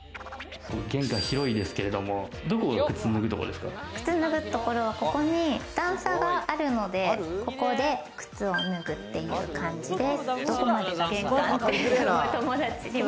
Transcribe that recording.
玄関広いですけれども、どこがここに段差があるので、ここで靴を脱ぐっていう感じです。